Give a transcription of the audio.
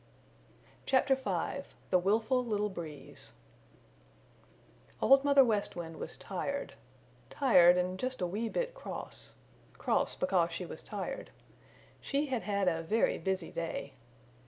CHAPTER V THE WILFUL LITTLE BREEZE Old Mother West Wind was tired tired and just a wee bit cross cross because she was tired. She had had a very busy day.